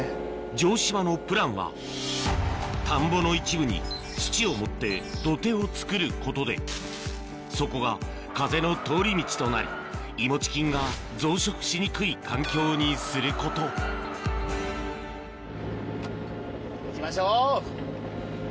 城島のプランは田んぼの一部に土を盛って土手を作ることでそこが風の通り道となりいもち菌が増殖しにくい環境にすること行きましょう！